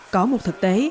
có một thực tế